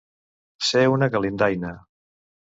Ser una galindaina.